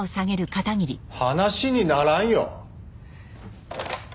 話にならんよ。